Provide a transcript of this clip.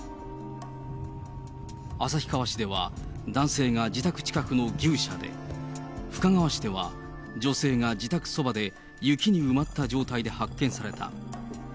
旭川市では、男性が自宅近くの牛舎で、深川市では女性が自宅そばで、雪に埋まった状態で発見された。